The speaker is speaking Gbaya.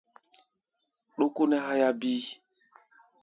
Dókó nɛ́ háyá bíí.